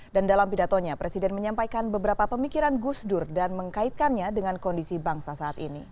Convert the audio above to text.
dan dalam pidatonya presiden menyampaikan beberapa pemikiran gusdur dan mengkaitkannya dengan kondisi bangsa saat ini